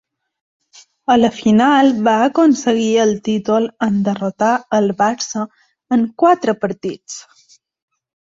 A la final va aconseguir el títol en derrotar el Barça en quatre partits.